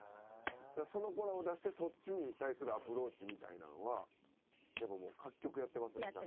その子らを出してそっちに対するアプローチみたいなんはやっぱ各局やってますよね？